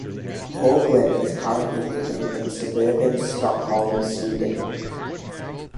Haugland is currently living in suburban Stockholm, Sweden.